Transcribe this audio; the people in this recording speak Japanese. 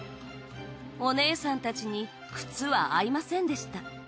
お姉さんたちに靴は合いませんでした。